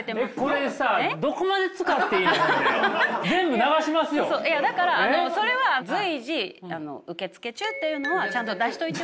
これさだからそれは随時受付中っていうのはちゃんと出しといて。